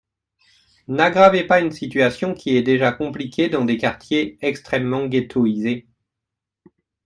N’aggravez pas une situation qui est déjà compliquée dans des quartiers extrêmement ghettoïsés